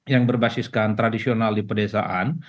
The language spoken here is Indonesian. yang berbasiskan tradisional di pedesaan